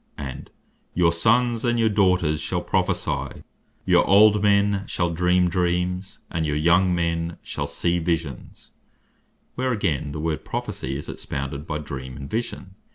And (Joel 2. 28.) "Your sons and your daughters shall Prophecy; your old men shall dream Dreams, and your young men shall see Visions:" where again, the word Prophecy is expounded by Dream, and Vision.